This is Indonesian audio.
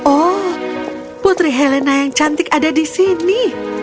oh putri helena yang cantik ada di sini